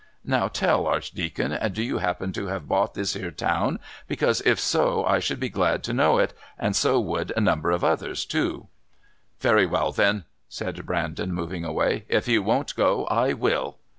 Now, tell, Archdeacon, do you happen to have bought this 'ere town, because if so I should be glad to know it and so would a number of others too." "Very well, then," said Brandon, moving away. "If you won't go, I will."